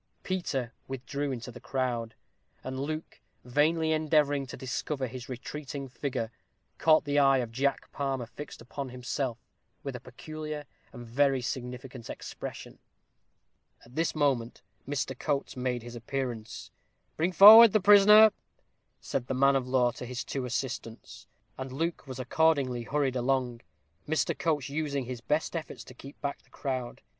Peter withdrew into the crowd; and Luke, vainly endeavoring to discover his retreating figure, caught the eye of Jack Palmer fixed upon himself, with a peculiar and very significant expression. At this moment Mr. Coates made his appearance. "Bring forward the prisoner," said the man of law to his two assistants; and Luke was accordingly hurried along, Mr. Coates using his best efforts to keep back the crowd.